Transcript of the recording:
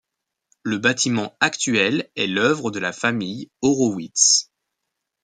Le bâtiment actuel est l’œuvre de la famille Horowitz.